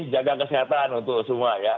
jaga kesehatan untuk semua ya